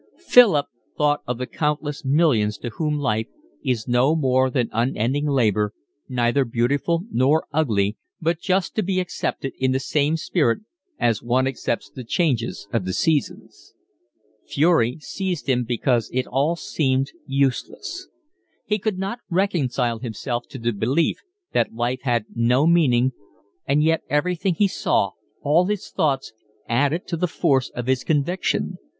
Philip thought of the countless millions to whom life is no more than unending labour, neither beautiful nor ugly, but just to be accepted in the same spirit as one accepts the changes of the seasons. Fury seized him because it all seemed useless. He could not reconcile himself to the belief that life had no meaning and yet everything he saw, all his thoughts, added to the force of his conviction.